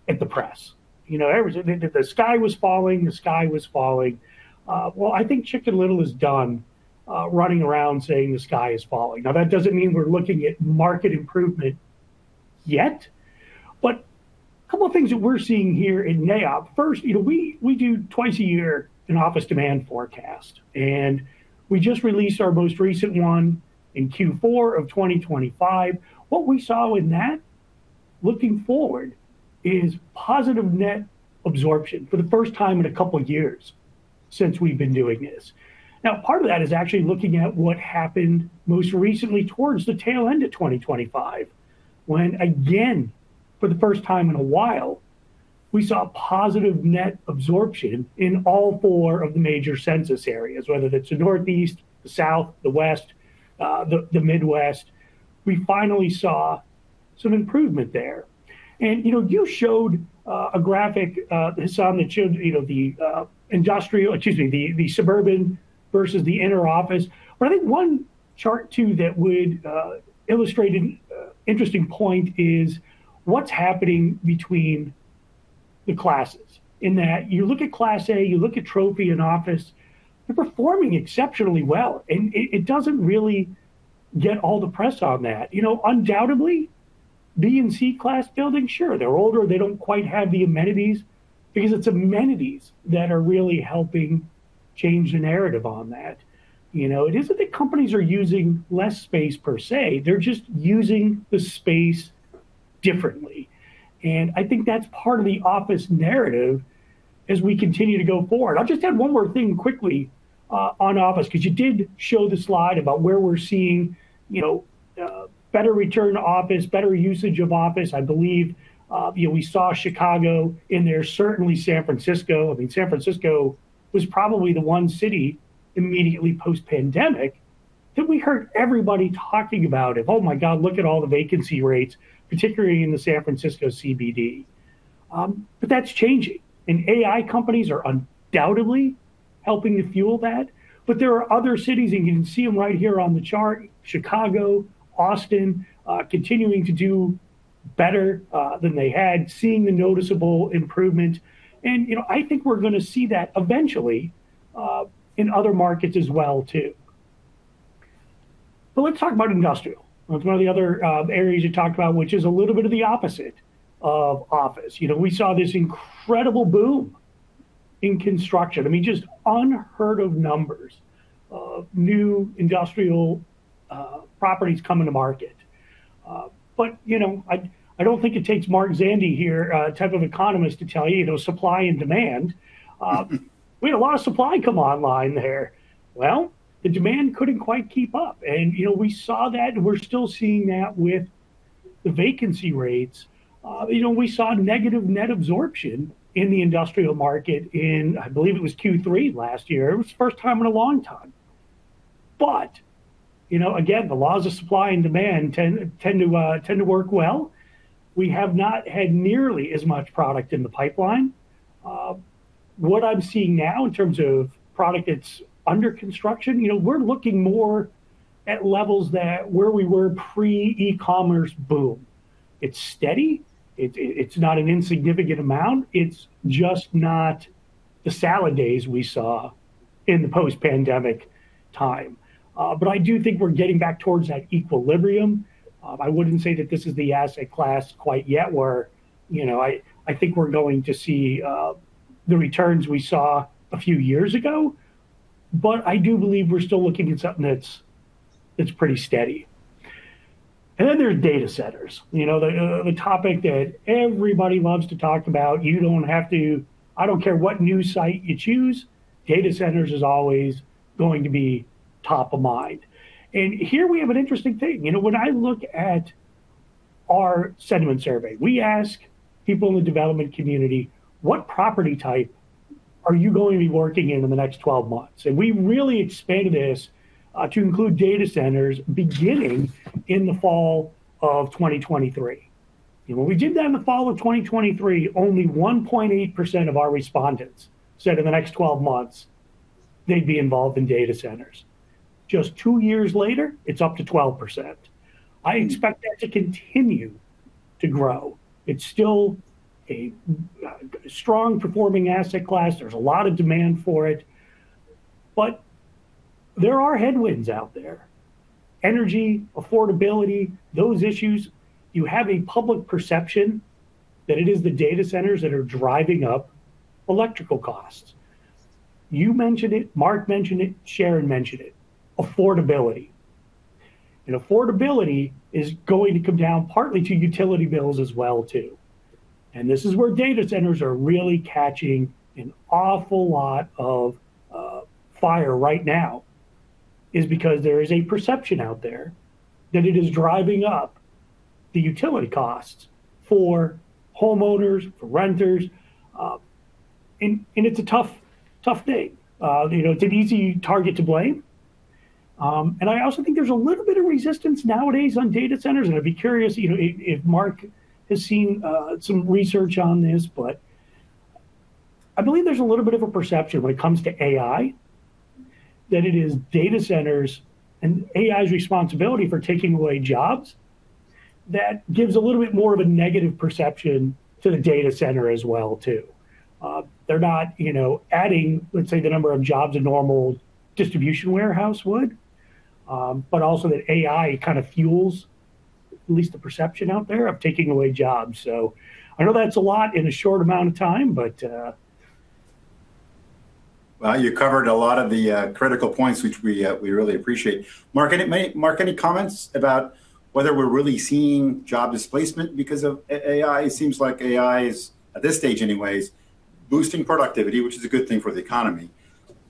at the press, everything that the sky was falling, the sky was falling. I think Chicken Little is done running around saying the sky is falling. Now, that doesn't mean we're looking at market improvement yet. A couple of things that we're seeing here in NAIOP. First, we do twice a year an office demand forecast. We just released our most recent one in Q4 of 2025. What we saw in that looking forward is positive net absorption for the first time in a couple of years since we've been doing this. Now, part of that is actually looking at what happened most recently towards the tail end of 2025 when, again, for the first time in a while, we saw positive net absorption in all four of the major census areas, whether that's the Northeast, the South, the West, the Midwest. We finally saw some improvement there. And you showed a graphic that showed the industrial, excuse me, the suburban versus the inner office. But I think one chart too that would illustrate an interesting point is what's happening between the classes in that you look at Class A, you look at Trophy and Office. They're performing exceptionally well. And it doesn't really get all the press on that. Undoubtedly, B and C class buildings, sure, they're older. They don't quite have the amenities because it's amenities that are really helping change the narrative on that. It isn't that companies are using less space per se. They're just using the space differently. And I think that's part of the office narrative as we continue to go forward. I'll just add one more thing quickly on office because you did show the slide about where we're seeing better return to office, better usage of office. I believe we saw Chicago in there, certainly San Francisco. I mean, San Francisco was probably the one city immediately post-pandemic that we heard everybody talking about it. Oh my God, look at all the vacancy rates, particularly in the San Francisco CBD, but that's changing, and AI companies are undoubtedly helping to fuel that, but there are other cities, and you can see them right here on the chart, Chicago, Austin, continuing to do better than they had, seeing the noticeable improvement, and I think we're going to see that eventually in other markets as well too, but let's talk about industrial. That's one of the other areas you talked about, which is a little bit of the opposite of office. We saw this incredible boom in construction. I mean, just unheard of numbers of new industrial properties coming to market. But I don't think it takes Mark Zandi here, a type of economist, to tell you supply and demand. We had a lot of supply come online there. Well, the demand couldn't quite keep up. And we saw that, and we're still seeing that with the vacancy rates. We saw negative net absorption in the industrial market in, I believe it was Q3 last year. It was the first time in a long time. But again, the laws of supply and demand tend to work well. We have not had nearly as much product in the pipeline. What I'm seeing now in terms of product that's under construction, we're looking more at levels where we were pre-ecommerce boom. It's steady. It's not an insignificant amount. It's just not the salad days we saw in the post-pandemic time. But I do think we're getting back towards that equilibrium. I wouldn't say that this is the asset class quite yet where I think we're going to see the returns we saw a few years ago. But I do believe we're still looking at something that's pretty steady. And then there are data centers, the topic that everybody loves to talk about. You don't have to, I don't care what new site you choose, data centers is always going to be top of mind. And here we have an interesting thing. When I look at our sentiment survey, we ask people in the development community, what property type are you going to be working in in the next 12 months? And we really expanded this to include data centers beginning in the fall of 2023. When we did that in the fall of 2023, only 1.8% of our respondents said in the next 12 months they'd be involved in data centers. Just two years later, it's up to 12%. I expect that to continue to grow. It's still a strong performing asset class. There's a lot of demand for it. But there are headwinds out there. Energy, affordability, those issues. You have a public perception that it is the data centers that are driving up electrical costs. You mentioned it, Mark mentioned it, Sharon mentioned it, affordability, and affordability is going to come down partly to utility bills as well too. This is where data centers are really catching an awful lot of fire right now is because there is a perception out there that it is driving up the utility costs for homeowners, for renters, and it's a tough thing. It's an easy target to blame. And I also think there's a little bit of resistance nowadays on data centers. And I'd be curious if Mark has seen some research on this. But I believe there's a little bit of a perception when it comes to AI that it is data centers and AI's responsibility for taking away jobs that gives a little bit more of a negative perception to the data center as well too. They're not adding, let's say, the number of jobs a normal distribution warehouse would, but also that AI kind of fuels at least the perception out there of taking away jobs. So I know that's a lot in a short amount of time, but. Well, you covered a lot of the critical points, which we really appreciate. Mark, any comments about whether we're really seeing job displacement because of AI? It seems like AI is, at this stage anyways, boosting productivity, which is a good thing for the economy,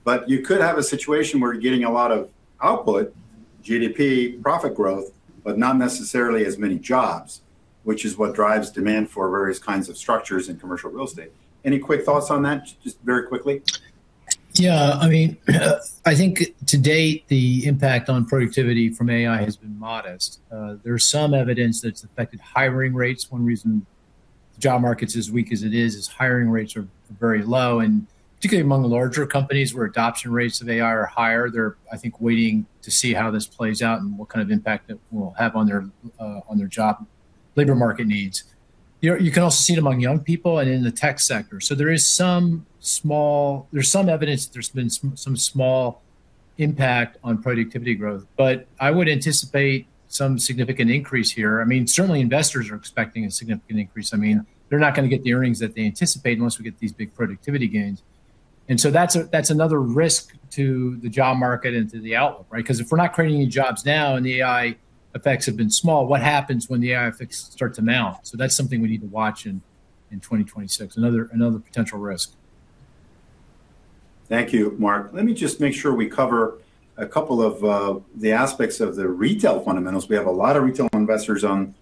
but you could have a situation where you're getting a lot of output, GDP, profit growth, but not necessarily as many jobs, which is what drives demand for various kinds of structures in commercial real estate. Any quick thoughts on that, just very quickly? Yeah. I mean, I think to date, the impact on productivity from AI has been modest. There's some evidence that it's affected hiring rates. One reason the job market is as weak as it is is hiring rates are very low and particularly among larger companies where adoption rates of AI are higher, they're, I think, waiting to see how this plays out and what kind of impact it will have on their job labor market needs. You can also see it among young people and in the tech sector. So there's some evidence that there's been some small impact on productivity growth. But I would anticipate some significant increase here. I mean, certainly investors are expecting a significant increase. I mean, they're not going to get the earnings that they anticipate unless we get these big productivity gains. And so that's another risk to the job market and to the outlook, right? Because if we're not creating any jobs now and the AI effects have been small, what happens when the AI effects start to mount? So that's something we need to watch in 2026, another potential risk. Thank you, Mark. Let me just make sure we cover a couple of the aspects of the retail fundamentals. We have a lot of retail investors on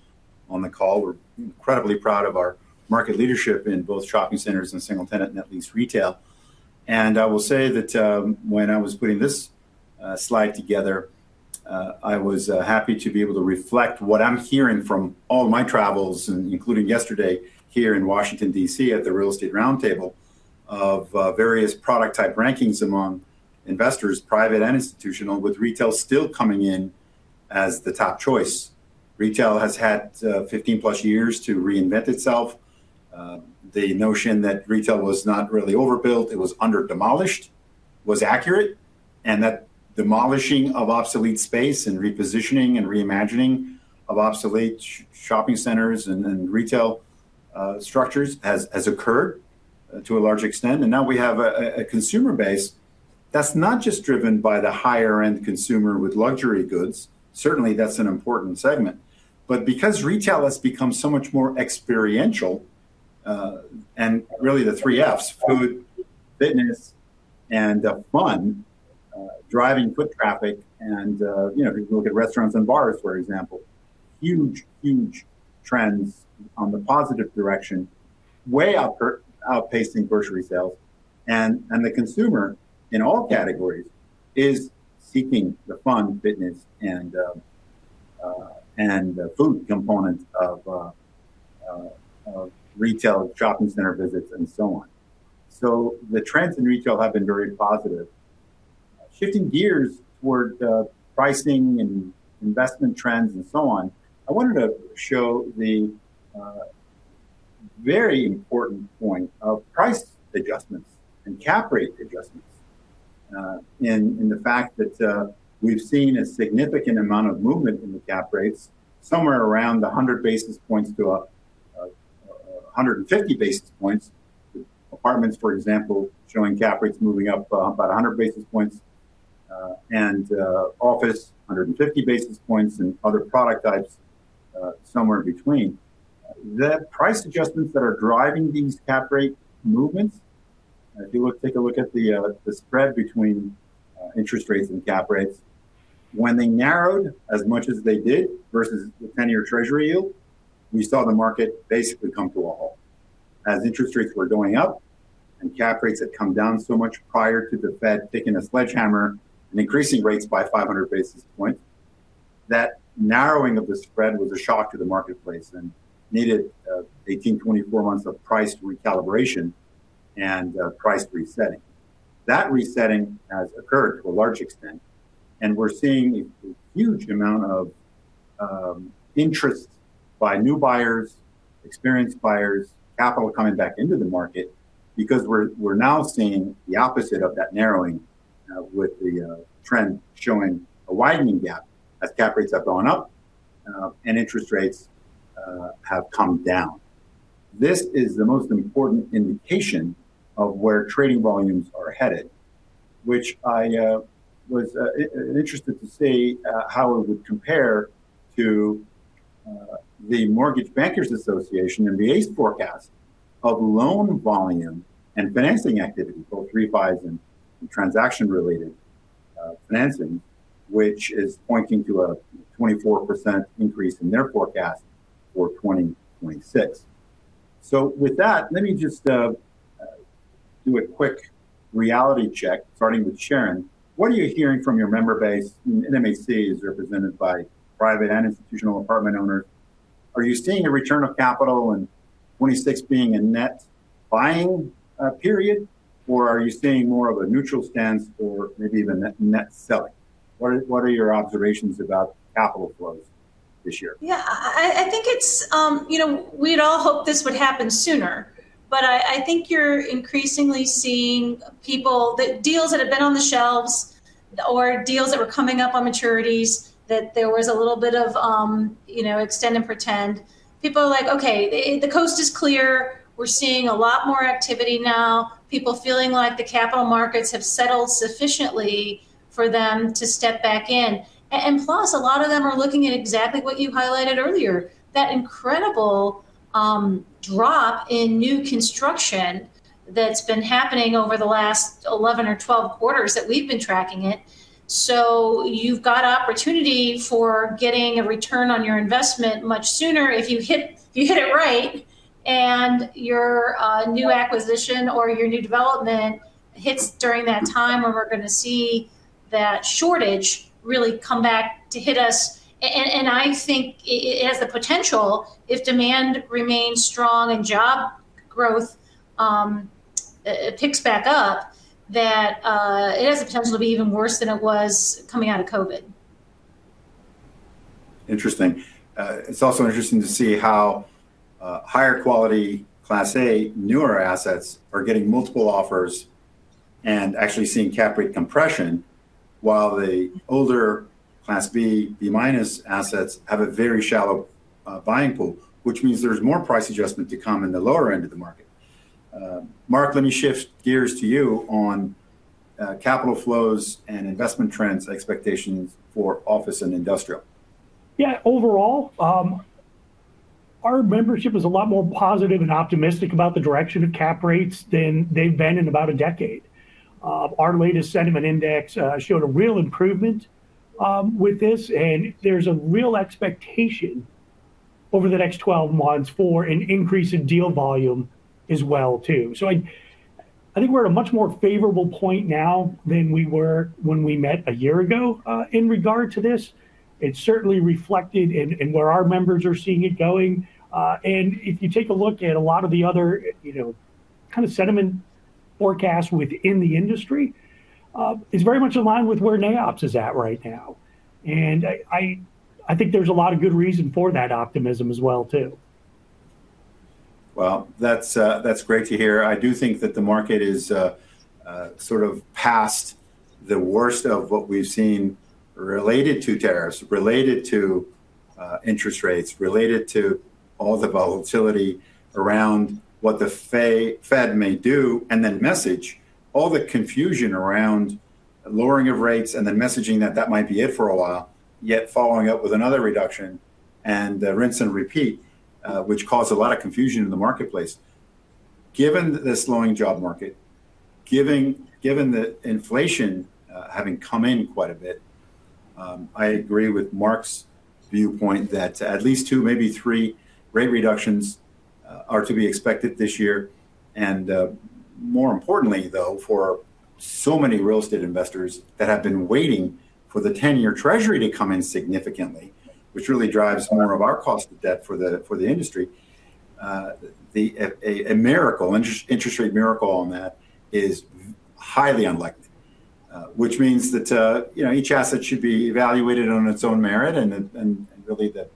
the call. We're incredibly proud of our market leadership in both shopping centers and single tenant and net least retail. And I will say that when I was putting this slide together, I was happy to be able to reflect what I'm hearing from all of my travels, including yesterday here in Washington, D.C., at the Real Estate Roundtable of various product type rankings among investors, private and institutional, with retail still coming in as the top choice. Retail has had 15+ years to reinvent itself. The notion that retail was not really overbuilt, it was under-demolished, was accurate. And that demolishing of obsolete space and repositioning and reimagining of obsolete shopping centers and retail structures has occurred to a large extent. And now we have a consumer base that's not just driven by the higher-end consumer with luxury goods. Certainly, that's an important segment. Because retail has become so much more experiential and really the three Fs, food, fitness, and fun, driving foot traffic. If you look at restaurants and bars, for example, huge, huge trends on the positive direction, way outpacing grocery sales. The consumer in all categories is seeking the fun, fitness, and food component of retail, shopping center visits, and so on. The trends in retail have been very positive. Shifting gears toward pricing and investment trends and so on, I wanted to show the very important point of price adjustments and cap rate adjustments in the fact that we've seen a significant amount of movement in the cap rates somewhere around 100-150 basis points. Apartments, for example, showing cap rates moving up about 100 basis points. Office, 150 basis points and other product types somewhere in between. The price adjustments that are driving these cap rate movements, if you take a look at the spread between interest rates and cap rates, when they narrowed as much as they did versus the 10-year Treasury yield, we saw the market basically come to a halt as interest rates were going up and cap rates had come down so much prior to the Fed taking a sledgehammer and increasing rates by 500 basis points. That narrowing of the spread was a shock to the marketplace and needed 18-24 months of price recalibration and price resetting. That resetting has occurred to a large extent. And we're seeing a huge amount of interest by new buyers, experienced buyers, capital coming back into the market because we're now seeing the opposite of that narrowing with the trend showing a widening gap as cap rates have gone up and interest rates have come down. This is the most important indication of where trading volumes are headed, which I was interested to see how it would compare to the Mortgage Bankers Association and the ACE forecast of loan volume and financing activity, both refis and transaction-related financing, which is pointing to a 24% increase in their forecast for 2026. So with that, let me just do a quick reality check starting with Sharon. What are you hearing from your member base? NMHC is represented by private and institutional apartment owners. Are you seeing a return of capital and 2026 being a net buying period, or are you seeing more of a neutral stance or maybe even net selling? What are your observations about capital flows this year? Yeah, I think we'd all hope this would happen sooner. But I think you're increasingly seeing people, deals that have been on the shelves or deals that were coming up on maturities, that there was a little bit of extend and pretend. People are like, okay, the coast is clear. We're seeing a lot more activity now. People feeling like the capital markets have settled sufficiently for them to step back in. And plus, a lot of them are looking at exactly what you highlighted earlier, that incredible drop in new construction that's been happening over the last 11 or 12 quarters that we've been tracking it. So you've got opportunity for getting a return on your investment much sooner if you hit it right and your new acquisition or your new development hits during that time when we're going to see that shortage really come back to hit us. And I think it has the potential if demand remains strong and job growth picks back up, that it has the potential to be even worse than it was coming out of COVID. Interesting. It's also interesting to see how higher quality Class A, newer assets are getting multiple offers and actually seeing cap rate compression while the older Class B, B-minus assets have a very shallow buying pool, which means there's more price adjustment to come in the lower end of the market. Marc, let me shift gears to you on capital flows and investment trends expectations for office and industrial. Yeah, overall, our membership is a lot more positive and optimistic about the direction of cap rates than they've been in about a decade. Our latest sentiment index showed a real improvement with this. And there's a real expectation over the next 12 months for an increase in deal volume as well too. So I think we're at a much more favorable point now than we were when we met a year ago in regard to this. It's certainly reflected in where our members are seeing it going. And if you take a look at a lot of the other kind of sentiment forecasts within the industry, it's very much in line with where NAIOP is at right now. And I think there's a lot of good reason for that optimism as well too. Well, that's great to hear. I do think that the market is sort of past the worst of what we've seen related to tariffs, related to interest rates, related to all the volatility around what the Fed may do and then message all the confusion around lowering of rates and then messaging that that might be it for a while, yet following up with another reduction and rinse and repeat, which caused a lot of confusion in the marketplace. Given this slowing job market, given the inflation having come in quite a bit, I agree with Mark's viewpoint that at least two, maybe three rate reductions are to be expected this year. And more importantly, though, for so many real estate investors that have been waiting for the 10-year Treasury to come in significantly, which really drives more of our cost of debt for the industry, a miracle interest rate miracle on that is highly unlikely, which means that each asset should be evaluated on its own merit and really the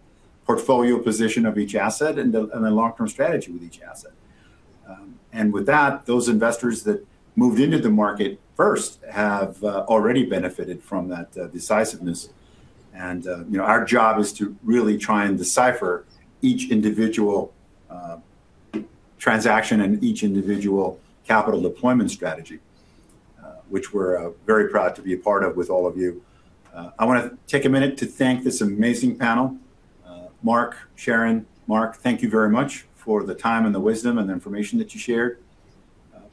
portfolio position of each asset and the long-term strategy with each asset. And with that, those investors that moved into the market first have already benefited from that decisiveness. And our job is to really try and decipher each individual transaction and each individual capital deployment strategy, which we're very proud to be a part of with all of you. I want to take a minute to thank this amazing panel. Mark, Sharon, Marc, thank you very much for the time and the wisdom and the information that you shared.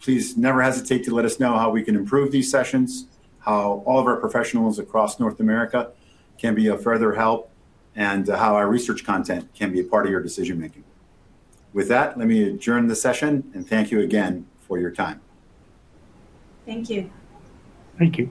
Please never hesitate to let us know how we can improve these sessions, how all of our professionals across North America can be of further help, and how our research content can be a part of your decision-making. With that, let me adjourn the session and thank you again for your time. Thank you. Thank you.